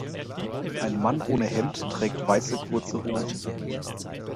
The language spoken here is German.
Ein Mann ohne Hemd trägt weiße kurze Hosen.